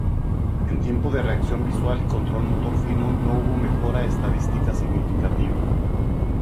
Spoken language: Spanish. En tiempo de reacción visual y control motor fino no hubo mejora estadística significativa.